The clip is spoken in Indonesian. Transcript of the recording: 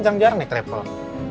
jangan biar nek repot